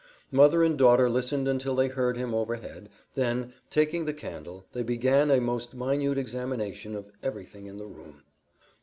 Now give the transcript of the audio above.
Mother and daughter listened until they heard him overhead, then, taking the candle, they began a most minute examination of everything in the room.